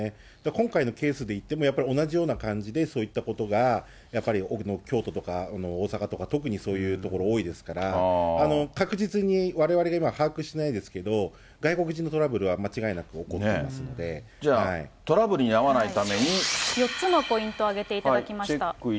今回のケースで言っても、やっぱり同じような感じでそういったことが、やっぱり京都とか大阪とか、特にそういうところ、多いですから、確実に、われわれが今、把握してないですけど、外国人のトラブルは間違いなく起こってますのじゃあ、トラブルに遭わない４つのポイントを挙げていたチェック